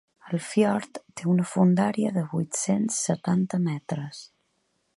El fiord té una fondària de vuit-cents setanta metres.